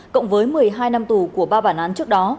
cộng với một mươi hai năm tù của ba bản án trước đó